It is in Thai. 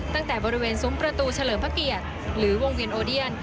ตั้งแต่บริเวณซุ้มประตูเฉลิมพระเกียรติหรือวงเวียนโอเดียน